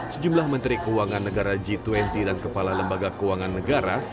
sejumlah menteri keuangan negara g dua puluh dan kepala lembaga keuangan negara